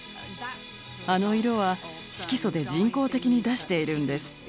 あの色は色素で人工的に出しているんです。